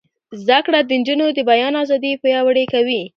زده کړه د نجونو د بیان ازادي پیاوړې کوي.